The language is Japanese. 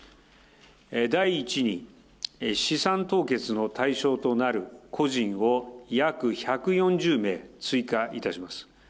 第１に資産凍結の対象となる個人を約１４０名追加いたします。